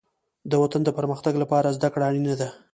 د وطن د پرمختګ لپاره زدهکړه اړینه ده.